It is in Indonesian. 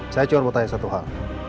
saya cuma mau tanya satu hal